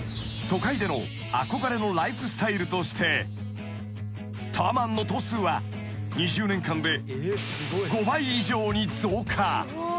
［都会での憧れのライフスタイルとしてタワマンの棟数は２０年間で５倍以上に増加］